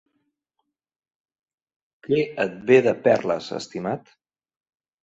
Què et ve de perles, estimat?